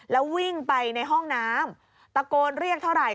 แล้ววิ่งไปในห้องน้ำตะโกนเรียกเท่าไหร่